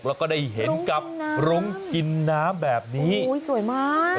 แล้วก็ได้เห็นกับรุ้งกินน้ำแบบนี้อุ้ยสวยมาก